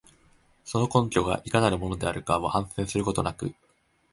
その根拠がいかなるものであるかを反省することなく、